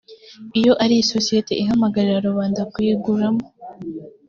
iyo ari isosiyete ihamagarira rubanda kuyiguramo